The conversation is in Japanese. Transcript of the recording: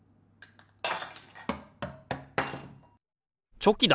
チョキだ！